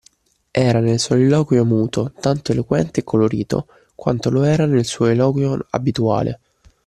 Era nel soliloquio muto, tanto eloquente e colorito, quanto lo era nel suo eloquio abituale.